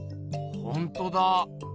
ほんとだ。